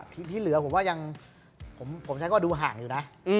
ที่เหลือผมว่ายังผมใช้ก็ดูห่างอยู่นะ